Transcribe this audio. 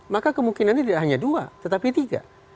maka kemungkinan ini tidak hanya dua tetapi tiga